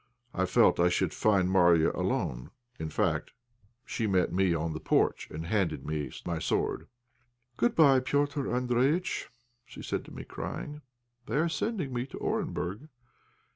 I felt I should find Marya alone; in fact, she met me in the porch, and handed me my sword. "Good bye, Petr' Andréjïtch," she said to me, crying; "they are sending me to Orenburg.